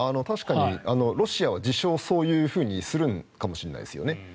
確かにロシアは自称そういうふうにするかもしれないですね。